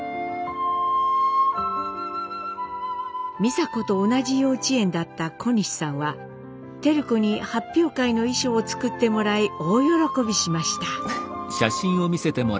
美佐子と同じ幼稚園だった小西さんは照子に発表会の衣装を作ってもらい大喜びしました。